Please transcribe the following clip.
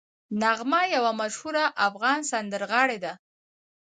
نغمه یوه مشهوره افغان سندرغاړې ده